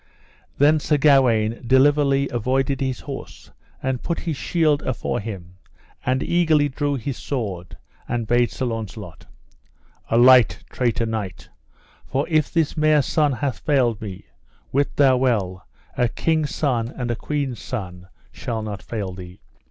Then Sir Gawaine deliverly avoided his horse, and put his shield afore him, and eagerly drew his sword, and bade Sir Launcelot: Alight, traitor knight, for if this mare's son hath failed me, wit thou well a king's son and a queen's son shall not fail thee.